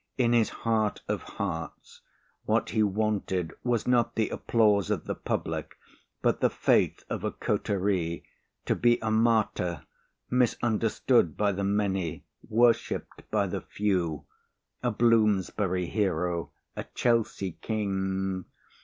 In his heart of hearts, what he wanted was not the applause of the public, but the faith of a coterie, to be a martyr, misunderstood by the many, worshipped by the few. A Bloomsbury hero, a Chelsea King!